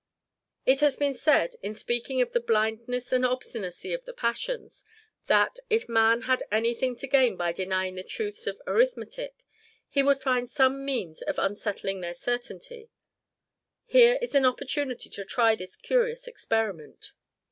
It has been said, in speaking of the blindness and obstinacy of the passions, that, if man had any thing to gain by denying the truths of arithmetic, he would find some means of unsettling their certainty: here is an opportunity to try this curious experiment.